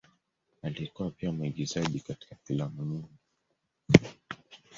Alikuwa pia mwigizaji katika filamu nyingi.